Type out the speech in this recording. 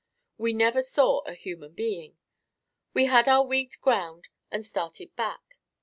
We never saw a human being. We had our wheat ground and started back.